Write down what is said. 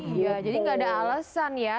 iya jadi nggak ada alasan ya